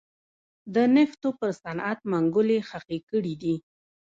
د نفتو پر صنعت منګولې خښې کړې دي.